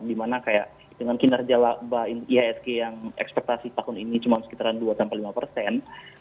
dimana kayak dengan kinerja ihsg yang ekspektasi tahun ini cuma sekitar dua lima persen